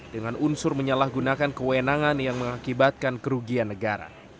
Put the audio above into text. dengan unsur menyalahgunakan kewenangan yang mengakibatkan kerugian negara